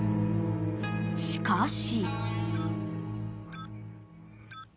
［しかし］・・